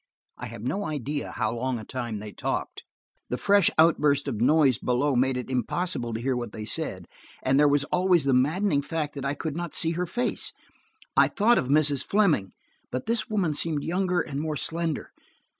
I have no idea how long a time they talked. The fresh outburst of noise below made it impossible to hear what they said, and there was always the maddening fact that I could not see her face. I thought of Mrs. Fleming, but this woman seemed younger and more slender.